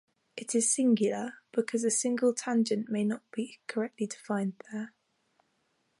It is "singular" because a single tangent may not be correctly defined there.